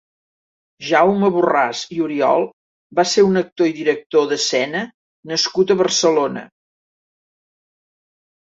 Jaume Borràs i Oriol va ser un actor i director d'escena nascut a Barcelona.